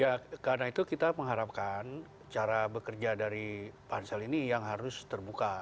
ya karena itu kita mengharapkan cara bekerja dari pansel ini yang harus terbuka